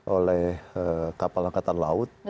oleh kapal angkatan laut